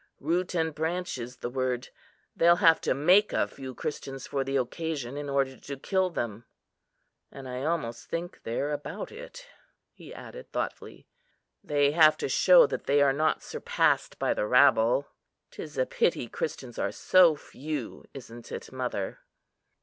Root and branch is the word. They'll have to make a few Christians for the occasion, in order to kill them: and I almost think they're about it," he added, thoughtfully. "They have to show that they are not surpassed by the rabble. 'Tis a pity Christians are so few, isn't it, mother?"